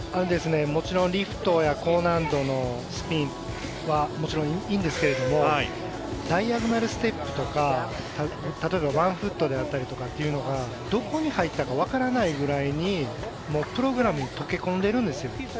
もちろんリフトや高難度のスピンはもちろんいいんですがダイアゴナルステップとか例えばワンフットであったりというのがどこに入ったかわからないぐらいにプログラムに溶け込んでいるんですよ。